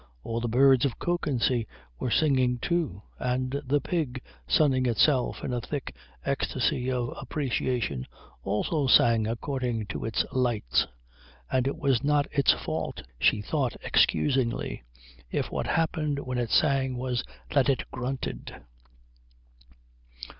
All the birds of Kökensee were singing, too, and the pig sunning itself in a thick ecstasy of appreciation also sang according to its lights, and it was not its fault, she thought excusingly, if what happened when it sang was that it grunted.